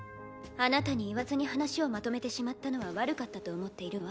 あなたに言わずに話をまとめてしまったのは悪かったと思っているわ。